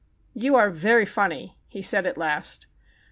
"You are very funny," he said at last.